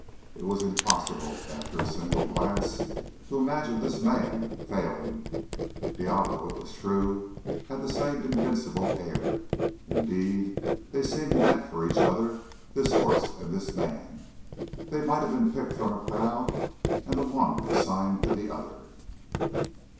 It was impossible, after a single glance, to imagine this man failing. Diablo, it was true, had the same invincible air. Indeed, they seemed meant for each other, this horse and this man. They might have been picked from a crowd and the one assigned to the other.